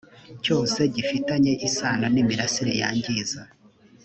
cyose gifitanye isano n imirasire yangiza